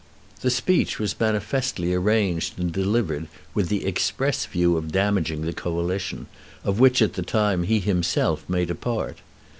The speech was manifestly arranged and delivered with the express view of damaging the Coalition, of which at the time he himself made a part.